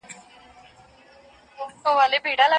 شاید تضاد او اختلاف په ټولنه کې د پرمختګ لامل سي.